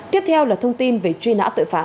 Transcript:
tiếp theo là thông tin về truy nã tội phạm